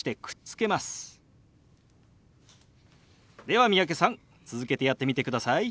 では三宅さん続けてやってみてください。